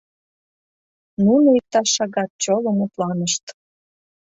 Нуно иктаж шагат чоло мутланышт.